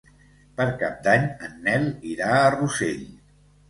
Per Cap d'Any en Nel irà a Rossell.